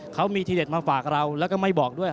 เขามีทีเด็ดมาฝากเราแล้วก็ไม่บอกด้วย